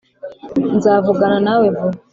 nzavugana nawe vuba